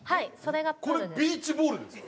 これビーチボールですか？